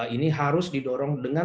ini harus didorong dengan